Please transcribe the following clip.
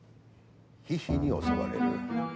狒々に襲われる。